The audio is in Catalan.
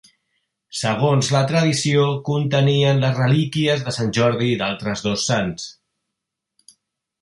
Segons la tradició, contenien les relíquies de Sant Jordi i d'altres dos sants.